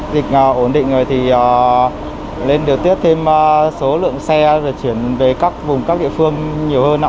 dịch ổn định rồi thì lên điều tiết thêm số lượng xe rồi chuyển về các vùng các địa phương nhiều hơn